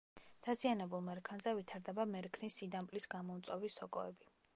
დაზიანებულ მერქანზე ვითარდება მერქნის სიდამპლის გამომწვევი სოკოები.